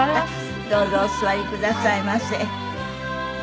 どうぞお座りくださいませ。